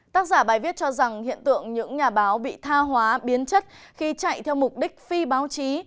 tác giả bài viết cho rằng hiện tượng những nhà báo bị tha hóa biến chất khi chạy theo mục đích phi báo chí